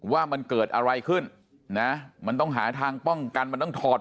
ว่ามันเกิดอะไรขึ้นนะมันต้องหาทางป้องกันมันต้องถอด